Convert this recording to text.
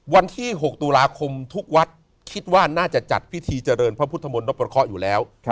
วันที่๖ตุลาคมทุกวัดคิดว่าน่าจะจัดพิธีเจริญพระพุทธมนตประเคาะอยู่แล้ว